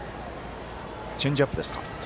チェンジアップですか。